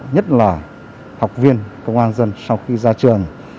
nhất là học viên công an dân sau khi ra trường